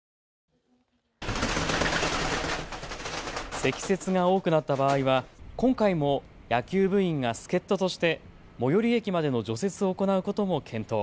積雪が多くなった場合は今回も野球部員が助っととして最寄り駅までの除雪を行うことも検討。